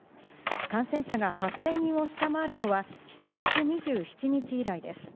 感染者が８０００人を下回るのは７月２７日以来です。